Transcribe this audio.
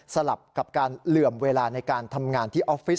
สลับกับการเหลื่อมเวลาในการทำงานที่ออฟฟิศ